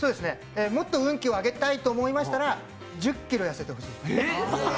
もっと運気を上げたいと思いましたら１０ｋｇ痩せてほしい。